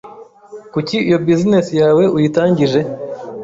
Kuki iyo Business yawe uyitangije